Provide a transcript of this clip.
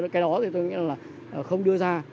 cái đó thì tôi nghĩ là không đưa ra